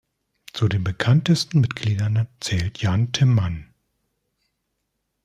Zu den bekanntesten Mitgliedern zählt Jan Timman.